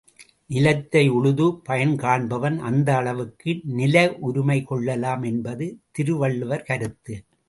நிலத்தை உழுது பயன் காண்பவன் அந்த அளவுக்கு நில உரிமை கொள்ளலாம் என்பது திருவள்ளுவர் கருத்து.